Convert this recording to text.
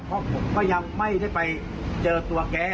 เพราะผมก็ยังไม่ได้ไปเจอตัวแก